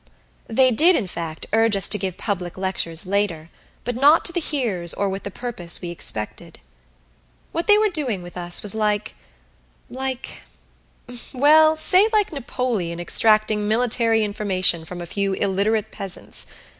They did, in fact, urge us to give public lectures later, but not to the hearers or with the purpose we expected. What they were doing with us was like like well, say like Napoleon extracting military information from a few illiterate peasants.